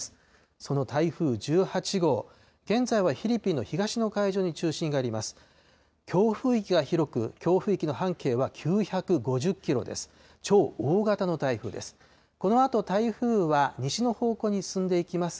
その台風１８号、現在はフィリピンの東の海上に中心があります。